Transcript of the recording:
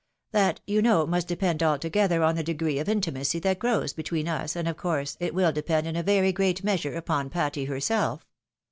" That, you know, must depend altogether on the degree of intimacy that grows between us, and of course it will depend in a very great measure upon Patty herself."